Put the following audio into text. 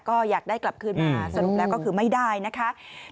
ก็อยากได้กลับคืนมาสรุปแล้วก็คือไม่ได้นะคะ